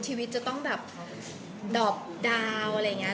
ชีวิตจะต้องแบบดอบดาวอะไรอย่างนี้